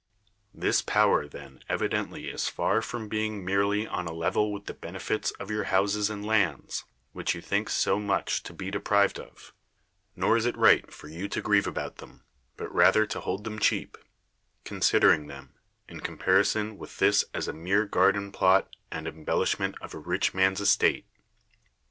This power then evidently is far from being merely on a level with the benefits of your houses and lands, which you think so much to be de prived of : nor is it right for you to grieve about them, but rather to hold them cheap, consider ing them, in comparison with this as a mere gar den plot and embellishment of a rich man's es tate.